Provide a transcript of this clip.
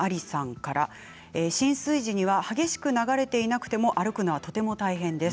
浸水時には激しく流れていなくても歩くのはとても大変です。